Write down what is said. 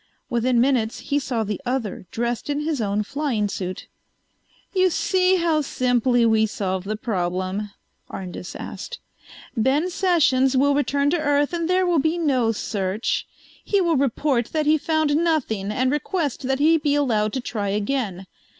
Within minutes he saw the other dressed in his own flying suit. "You see how simply we solve the problem?" Arndis asked. "Ben Sessions will return to Earth and there will be no search. He will report that he found nothing and request that he be allowed to try again.